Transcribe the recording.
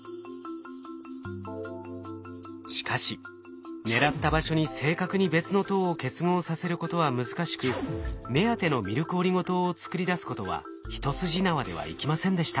しかし狙った場所に正確に別の糖を結合させることは難しく目当てのミルクオリゴ糖を作り出すことは一筋縄ではいきませんでした。